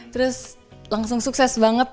terus langsung sukses banget